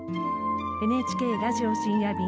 ＮＨＫ「ラジオ深夜便」。